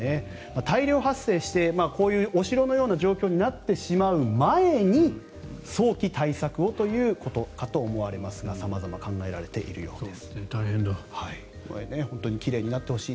大量発生してこういうお城のような状況になってしまう前に早期対策をということかと思われますが様々考えられているようです。